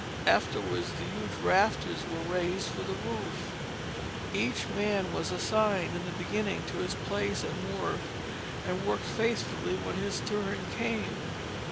Afterwards the huge rafters were raised for the roof. Each man was assigned in the beginning to his place and work, and worked faithfully when his turn came.